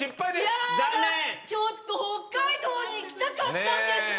ちょっと、北海道に行きたかったんです。